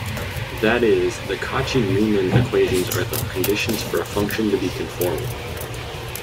That is, the Cauchy-Riemann equations are the conditions for a function to be conformal.